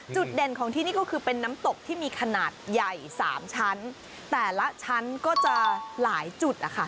เด่นของที่นี่ก็คือเป็นน้ำตกที่มีขนาดใหญ่สามชั้นแต่ละชั้นก็จะหลายจุดนะคะ